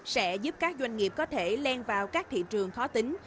sẽ giúp các doanh nghiệp có thể len vào các thị trường khó tính